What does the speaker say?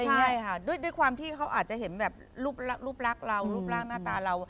ใช่ค่ะด้วยความที่เขาอาจจะเห็นแบบรูปรักเรารูปร่างหน้าตาเรา